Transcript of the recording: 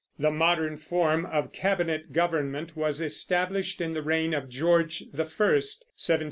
The modern form of cabinet government was established in the reign of George I (1714 1727).